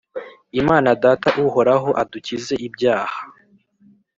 Imana Data uhoraho adukize ibyaha